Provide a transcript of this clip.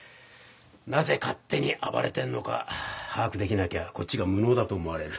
なぜ勝手に暴れてんのか把握できなきゃこっちが無能だと思われる。